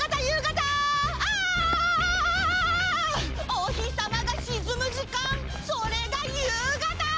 おひさまがしずむじかんそれがゆうがた！